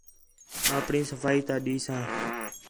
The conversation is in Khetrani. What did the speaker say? اپݨی صفائی تا دیساں